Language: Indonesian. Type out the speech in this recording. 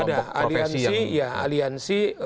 ada aliansi ya aliansi